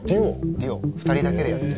デュオ２人だけでやってる。